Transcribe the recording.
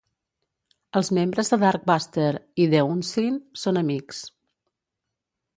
Els membres de Darkbuster i The Unseen són amics.